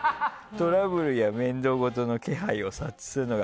トラブルや面倒ごとの気配を察知するのが。